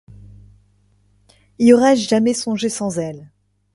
Y aurais-je jamais songé sans elle!